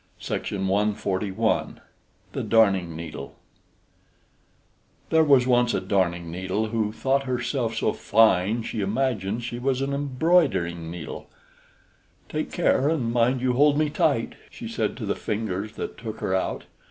THE DARNING NEEDLE BY HANS CHRISTIAN ANDERSEN There was once a Darning needle, who thought herself so fine, she imagined she was an embroidering needle. "Take care, and mind you hold me tight!" she said to the Fingers that took her out.